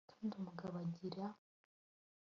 kandi umugabo arigira